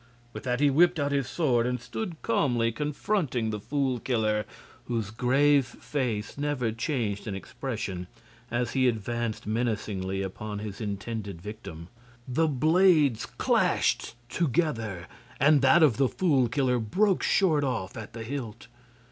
With that he whipped out his sword and stood calmly confronting the Fool Killer, whose grave face never changed in expression as he advanced menacingly upon his intended victim. The blades clashed together, and that of the Fool Killer broke short off at the hilt.